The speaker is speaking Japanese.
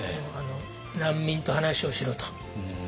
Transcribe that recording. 難民と話をしろと。